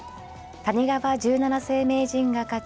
谷川十七世名人が勝ち